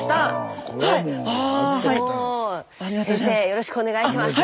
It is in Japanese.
よろしくお願いします。